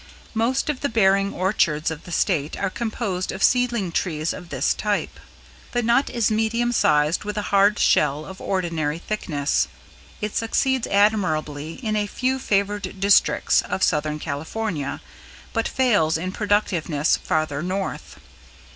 Most of the bearing orchards of the state are composed of seedling trees of this type. The nut is medium sized with a hard shell of ordinary thickness. It succeeds admirably in a few favored districts (of Southern California) but fails in productiveness farther North.